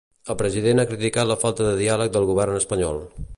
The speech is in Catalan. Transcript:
El president ha criticat la falta de diàleg del govern espanyol.